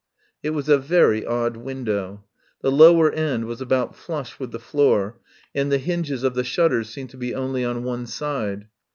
It was a very odd window. The lower end was about flush with the floor, and the hinges of the shutters seemed to be only on one side.